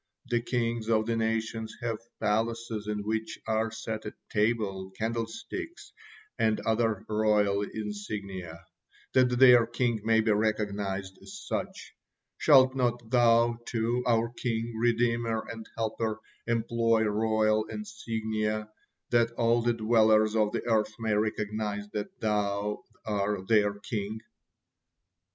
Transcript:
The kings of the nations have palaces in which are set a table, candlesticks, and other royal insignia, that their king may be recognized as such. Shalt not Thou, too, our King, Redeemer, and Helper, employ royal insignia, that all the dwellers of the earth may recognize that Thou are their King?"